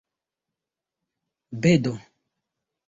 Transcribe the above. bedo